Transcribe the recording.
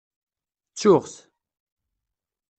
Ttuɣ-t.